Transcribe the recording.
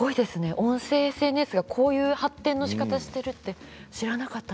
音声ＳＮＳがこういう発展のしかたをしているなんて知らなかった。